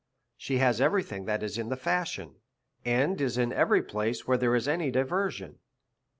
She has every thing that is in the fashion, and is in every place where there is any diversion.